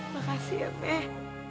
makasih ya meh